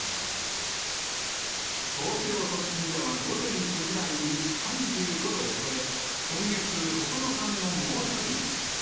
東京都心では午前９時台に３５度を超え、今月、９日目の猛暑日に。